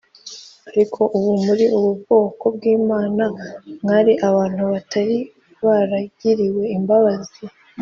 ariko ubu muri ubwoko bw Imana mwari abantu batari baragiriwe imbabazi